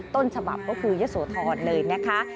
ต้นฉบับก็คือยะโสธรเลยนะคะ